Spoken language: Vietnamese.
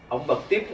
ông bật tiếp